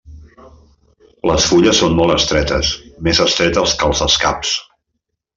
Les fulles són molt estretes, més estretes que els escaps.